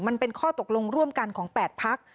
มันเป็นข้อตกลงร่วมกันของ๘พัก